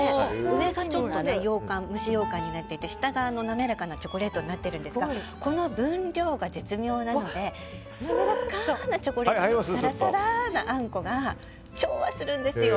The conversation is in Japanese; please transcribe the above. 上がちょっと蒸しようかんになっていて下が滑らかなチョコレートになってるんですがこの分量が絶妙なのでやわらかなチョコレートとさらさらーなあんこが調和するんですよ。